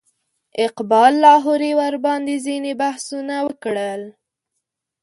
اقبال لاهوري ورباندې ځینې بحثونه وکړل.